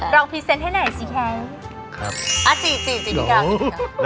ร็อกพรีเซนต์ให้ไหนสิแคะ